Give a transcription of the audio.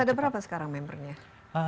ada berapa sekarang membernya